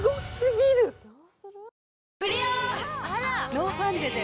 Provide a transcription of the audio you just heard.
ノーファンデで。